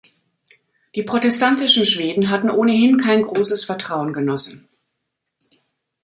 Die protestantischen Schweden hatten ohnehin kein großes Vertrauen genossen.